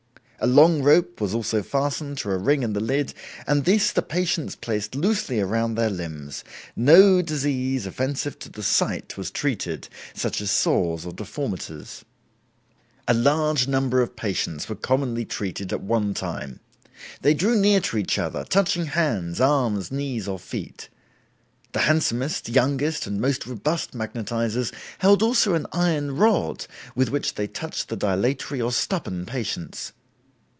A long rope was also fastened to a ring in the lid, and this the patients placed loosely round their limbs. No disease offensive to the sight was treated, such as sores, or deformities. "A large number of patients were commonly treated at one time. They drew near to each other, touching hands, arms, knees, or feet. The handsomest, youngest, and most robust magnetizers held also an iron rod with which they touched the dilatory or stubborn patients.